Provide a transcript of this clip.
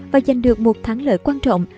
và giành được một thắng lợi quan trọng